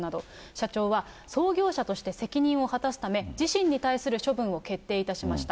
社長は創業者として責任を果たすため、自身に対する処分を決定いたしました。